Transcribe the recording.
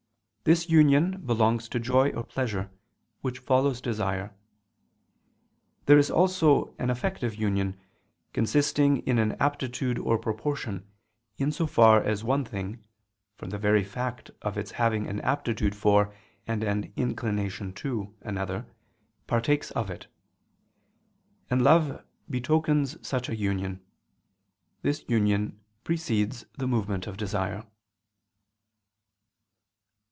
This union belongs to joy or pleasure, which follows desire. There is also an affective union, consisting in an aptitude or proportion, in so far as one thing, from the very fact of its having an aptitude for and an inclination to another, partakes of it: and love betokens such a union. This union precedes the movement of desire.